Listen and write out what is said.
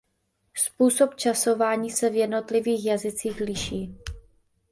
Způsob časování se v jednotlivých jazycích liší.